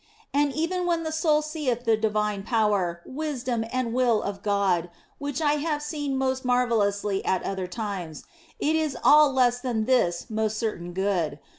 And even when the soul seeth the divine power, wisdom, and will of God (which I have seen most marvellously at other times), it is all less than this most certain Good.